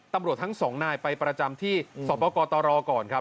ตำรวจทั้งสองนายไปประจำที่สปกตรก่อนครับ